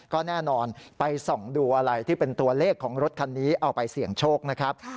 ก็แน่นอนไปส่องดูอะไรที่เป็นตัวเลขของรถคันนี้เอาไปเสี่ยงโชคนะครับ